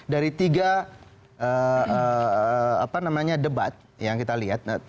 dari tiga debat yang kita lihat